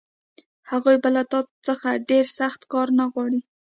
هغوی به له تا څخه ډېر سخت کار نه غواړي